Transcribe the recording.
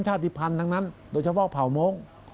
ชาติภัณฑ์ทั้งนั้นโดยเฉพาะเผ่าโม้ง